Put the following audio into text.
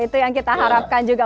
itu yang kita harapkan juga